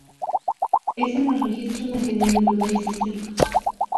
Es en el Registro Nacional de Lugares Históricos.